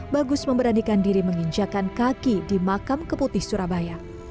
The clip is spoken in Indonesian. bagus memberanikan diri menginjakan kaki di makam keputih surabaya